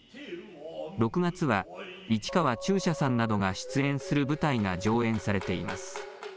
６月は、市川中車さんなどが出演する舞台が上演されています。